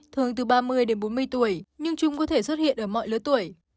thường từ ba mươi đến bốn mươi tuổi nhưng trung có thể xuất hiện ở mọi lứa tuổi